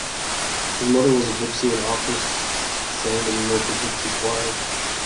His mother was a gypsy and often sang in the local gypsy choir.